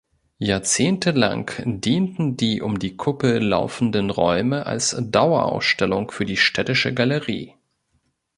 Jahrzehntelang dienten die um die Kuppel laufenden Räume als Dauerausstellung für die Städtische Galerie.